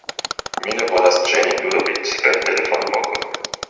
Mi ne volas ĝeni Ludoviĉ per telefonvoko.